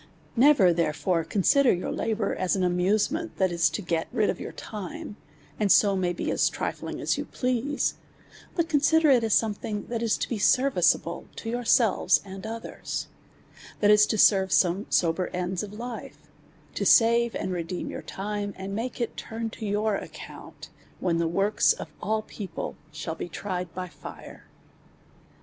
Never therefore consider your labour as an amuse ment, that is to get rid of your time, and so may be as trifling as you please ; but consider it as something that is to be serviceable to yourselves and others, that is to serve some sober ends of life, to save and redeem your time, and make it turn to your account, when the works of all people shall be tried by lire.